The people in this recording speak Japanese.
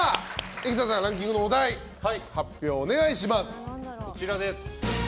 生田さん、ランキングのお題発表をお願いします。